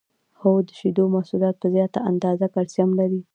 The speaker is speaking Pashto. هو د شیدو محصولات په زیاته اندازه کلسیم لري